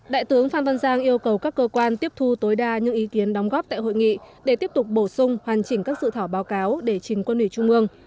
đại tướng phan văn giang yêu cầu các cơ quan tiếp thu tối đa những ý kiến đóng góp tại hội nghị để tiếp tục bổ sung hoàn chỉnh các sự thảo báo cáo để trình quân ủy trung ương